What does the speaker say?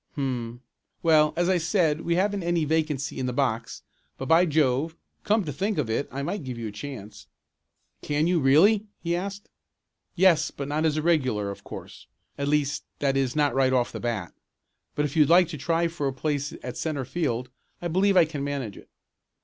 Hum, well, as I said we haven't any vacancy in the box, but by Jove! come to think of it I might give you a chance!" Joe's heart leaped wildly and he could hardly answer. "Can you, really?" he asked. "Yes, but not as a regular, of course at least that is not right off the bat. But if you'd like to try for place at centre field I believe I can manage it."